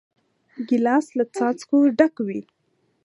ګیلاس له څاڅکو ډک وي.